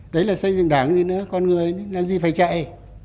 đấy là xây dựng đảng gì nữa con người làm gì phải chạy